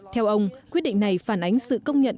theo ông quyết định này phản ánh sự công nhận